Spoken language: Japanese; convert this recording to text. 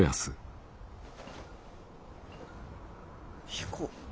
彦？